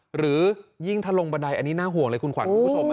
หรือยิ่งถ้าลงบันไดอันนี้น่าห่วงเลยคุณขวัญคุณผู้ชม